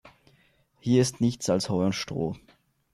Hier ist nichts als Heu und Stroh.